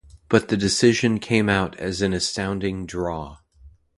But the decision came out as an astounding draw.